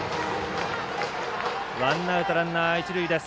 ワンアウト、ランナー、一塁です。